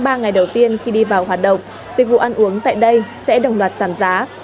trong ba ngày đầu tiên khi đi vào hoạt động dịch vụ ăn uống tại đây sẽ đồng loạt giảm giá